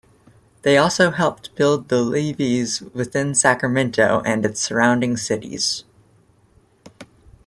They also helped build the levees within Sacramento and its surrounding cities.